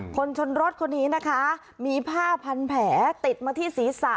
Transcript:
คนชนรถคนนี้นะคะมีผ้าพันแผลติดมาที่ศีรษะ